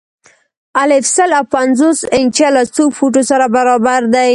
الف: سل او پنځوس انچه له څو فوټو سره برابر دي؟